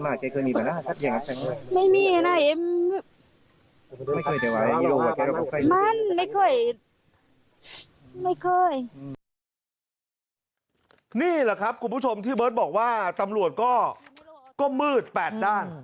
นี่แหละครับคุณผู้ชมที่เบิร์ตบอกว่าตำรวจก็มืด๘ด้าน